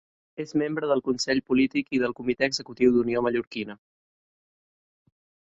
És membre del Consell Polític i del Comitè Executiu d'Unió Mallorquina.